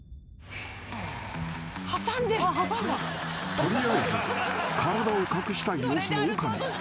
［取りあえず体を隠したい様子の岡野］